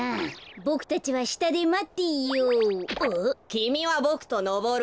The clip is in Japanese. きみはボクとのぼるの。